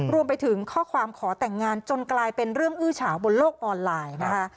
รวมไปถึงข้อความขอแต่งงานจนกลายเป็นเรื่องอื้อเฉาบนโลกออนไลน์นะคะ